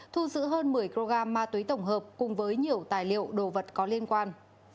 thu giữ hơn một mươi kg ma túy tổng hợp cùng với nhiều tài liệu đồ vật có liên quan